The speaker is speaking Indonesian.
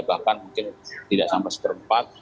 bahkan mungkin tidak sampai seperempat